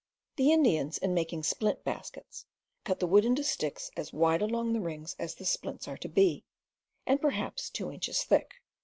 The Indians, in making splint baskets, cut the wood into sticks as wide along the rings as the splints are to be, and perhaps two inches thick.